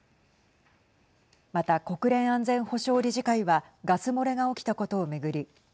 また、国連安全保障理事会はガス漏れが起きたことを巡り